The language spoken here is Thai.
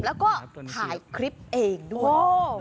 แล้วก็ถ่ายคลิปเองด้วย